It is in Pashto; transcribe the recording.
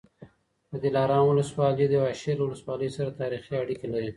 د دلارام ولسوالي د واشېر له ولسوالۍ سره تاریخي اړیکې لري